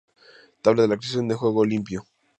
Tabla de clasificación de juego limpio